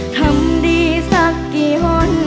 ทำดีสักกี่วัน